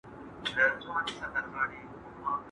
د ميرويس خان نيکه د مرګ وروسته چا واک ترلاسه کړ؟